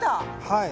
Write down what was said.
はい。